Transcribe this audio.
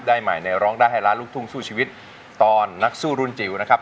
ใหม่ในร้องได้ให้ล้านลูกทุ่งสู้ชีวิตตอนนักสู้รุ่นจิ๋วนะครับ